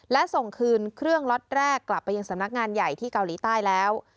และส่งคืนเครื่องล็อตแรกกลับไปยังสำนักงานใหญ่ที่เกาหลีใต้แล้ว